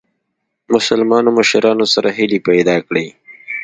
مسلمانو مشرانو سره هیلي پیدا کړې.